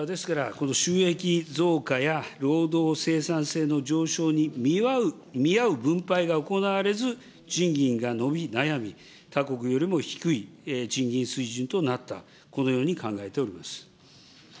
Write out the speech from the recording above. この収益増加や労働生産性の上昇に見合う分配が行われず、賃金が伸び悩み、他国よりも低い賃金水準となった、このように考えております。